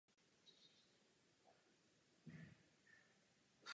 Někteří další řečníci poukazovali na společné budování a sdílení kapacit.